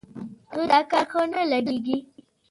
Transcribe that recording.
دوی ته دا کار ښه نه لګېږي.